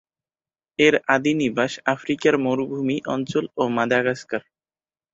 এর আদি নিবাস আফ্রিকার মরুভূমি অঞ্চল ও মাদাগাস্কার।